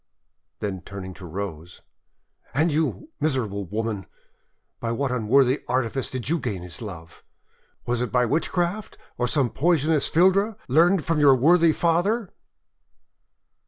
Then, turning to Rose— "And you, miserable woman! by what unworthy artifice did you gain his love? Was it by witchcraft? or some poisonous philtre learned from your worthy father?"